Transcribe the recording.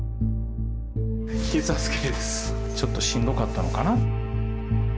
ちょっとしんどかったのかな。